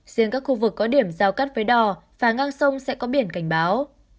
riêng các khu vực có điểm giao cắt với đò và ngang sông sẽ có biển cảnh báo